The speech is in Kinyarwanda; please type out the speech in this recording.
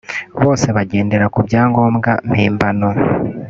bose bagendera ku byangombwa mpimbano